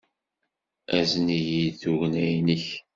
Azen-iyi-d tugna-nnek.